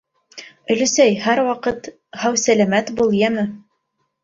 Өләсәй, һәр ваҡыт һау-сәләмәт бул, йәме!